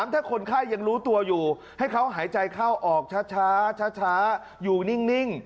ถ้าคนไข้ยังรู้ตัวอยู่ให้เขาหายใจเข้าออกช้าอยู่นิ่ง